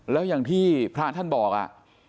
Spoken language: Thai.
แล้วอย่างที่พระท่านบอกอ่ะ